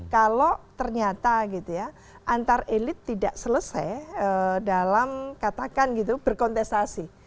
kalau ternyata gitu ya antar elit tidak selesai dalam katakan gitu berkontestasi